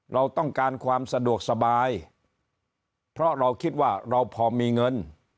เราต้องการความสะดวกสบายเพราะเราคิดว่าเราพอมีเงิน